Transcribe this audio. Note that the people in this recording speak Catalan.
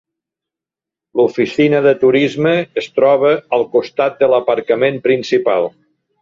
L'oficina de turisme es troba al costat de l'aparcament principal.